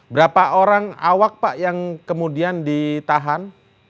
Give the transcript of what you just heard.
berapa orang awak pak yang kemudian ditahan